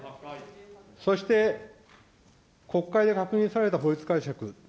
そして国会で確認された法律解釈。